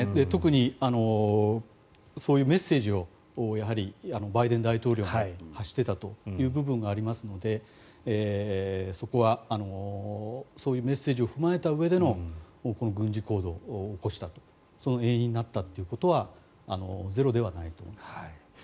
特にそういうメッセージをバイデン大統領も発していたという部分がありますのでそこはそういうメッセージを踏まえたうえでのこの軍事行動を起こしたとその遠因になったということはゼロではないと思いますね。